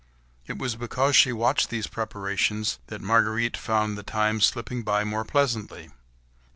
It was because she watched these preparations that Marguerite found the time slipping by more pleasantly.